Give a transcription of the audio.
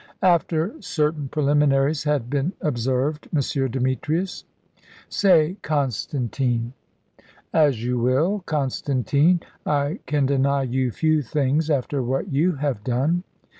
"After certain preliminaries had been observed, M. Demetrius." "Say, Constantine." "As you will, Constantine. I can deny you few things, after what you have done."